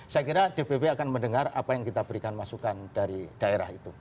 saya kira dpp akan mendengar apa yang kita berikan masukan dari daerah itu